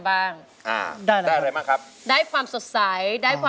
ร้องเข้าให้เร็ว